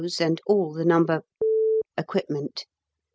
's, and all the No. equipment.